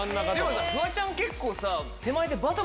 フワちゃん結構。